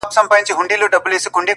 ما چي د ميني په شال ووهي ويده سمه زه،